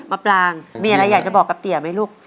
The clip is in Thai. ปลางมีอะไรอยากจะบอกกับเตี๋ยไหมลูก